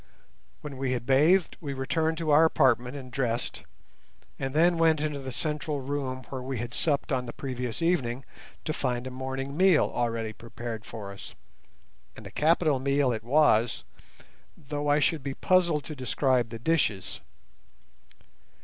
When we had bathed, we returned to our apartment and dressed, and then went into the central room where we had supped on the previous evening, to find a morning meal already prepared for us, and a capital meal it was, though I should be puzzled to describe the dishes.